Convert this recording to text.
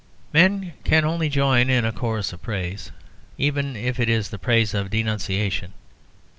Men can only join in a chorus of praise, even if it is the praise of denunciation.